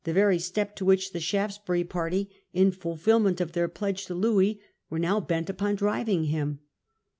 255 * very step to which the Shaftesbury party, in fulfilment of their pledges to Louis, were now bent upon driving him.